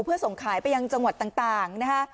เพื่อส่งขายไปยังจังหวัดต่างนะคะ